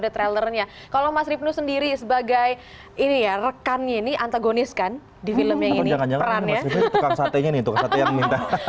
ada trailernya kalau mas ribnu sendiri sebagai ini ya rekannya ini antagonis kan di film yang ini